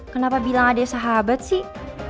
kenapa bilang ada sahabat sih